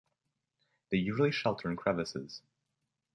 They usually shelter in crevices.